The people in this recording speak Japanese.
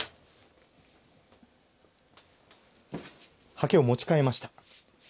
刷毛を持ち替えました。